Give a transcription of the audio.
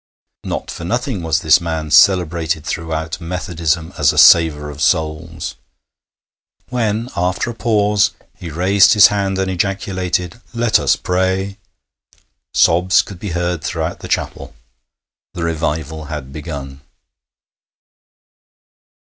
Not for nothing was this man cerebrated throughout Methodism as a saver of souls. When, after a pause, he raised his hand and ejaculated, 'Let us pray,' sobs could be heard throughout the chapel. The Revival had begun.